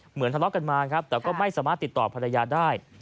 เหมือนทะเลาะกันมาแต่ก็ไม่สามารถติดต่อภรรยาได้